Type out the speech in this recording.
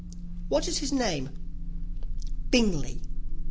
"What is his name?" "Bingley."